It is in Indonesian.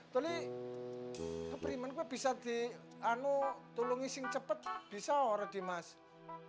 tapi keberiman bisa ditolong ising cepat bisa orang dimasukin